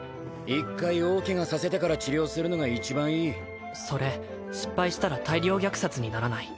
１回大ケガさせてから治療するのが一番いいそれ失敗したら大量虐殺にならない？